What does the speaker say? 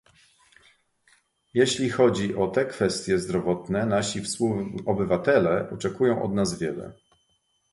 Jeśli chodzi o te kwestie zdrowotne nasi współobywatele oczekują od nas wiele